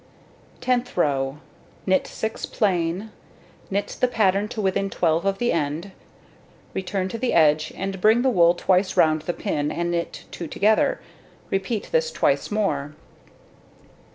Tenth row: Knit 6 plain, knit the pattern to within 12 of the end. Return to the edge, and bring the wool twice round the pin, and knit 2 together. Repeat this twice more.